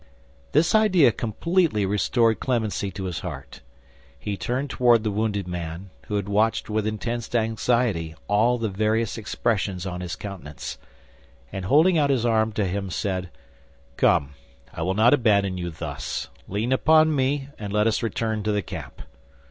This idea completely restored clemency to his heart. He turned toward the wounded man, who had watched with intense anxiety all the various expressions of his countenance, and holding out his arm to him, said, "Come, I will not abandon you thus. Lean upon me, and let us return to the camp."